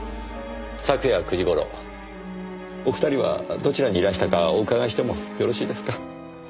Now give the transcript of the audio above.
昨夜９時頃お二人はどちらにいらしたかお伺いしてもよろしいですか。